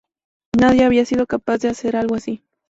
Nadie había sido capaz de hacer algo así.